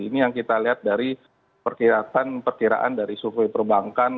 ini yang kita lihat dari perkiraan dari suku perbankan